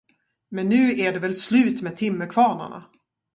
Men nu är det väl slut med timmerkvarnarna.